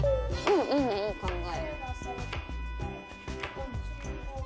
いいねいい考え。